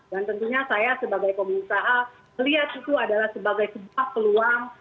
dan tentunya saya sebagai pemerintah melihat itu sebagai sebuah peluang